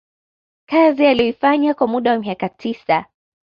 kazi aliyoifanya kwa muda wa miaka tisa